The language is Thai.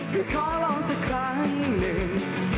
กลิ้ดขอรองสักครั้งนึง